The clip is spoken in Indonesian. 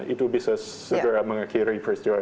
itu bisa segera mengakhiri peristiwa